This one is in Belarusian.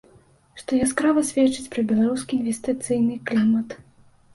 Што яскрава сведчыць пра беларускі інвестыцыйны клімат.